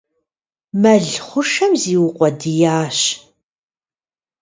Мэл хъушэм зиукъуэдиящ.